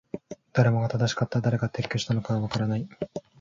誰もが正しかった。誰が撤去したのかはわからない。